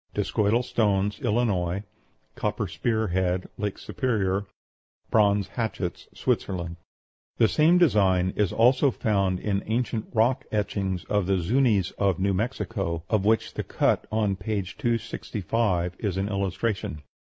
DISCOIDAL STONES, ILLINOIS. COPPER SPEAR HEAD, LAKE SUPERIOR. BRONZE HATCHETS, SWITZERLAND. The same design is also found in ancient rock etchings of the Zuñis of New Mexico, of which the cut on p. 265 is an illustration.